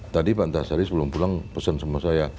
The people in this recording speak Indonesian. tadi pak antasari sebelum pulang pesen sama saya